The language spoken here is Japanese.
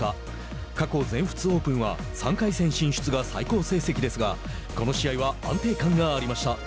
過去全仏オープンは３回戦進出が最高成績ですがこの試合は安定感がありました。